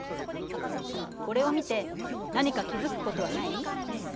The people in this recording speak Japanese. これを見て何か気付くことはない？